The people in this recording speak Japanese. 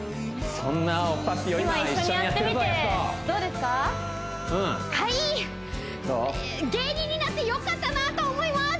今一緒にやってみてどうですかなと思います！